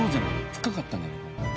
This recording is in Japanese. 深かったんじゃないかな。